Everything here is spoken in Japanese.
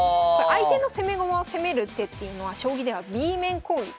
相手の攻め駒を攻める手っていうのは将棋ではＢ面攻撃。